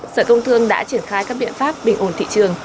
sở công thương đã triển khai các biện pháp bình ổn thị trường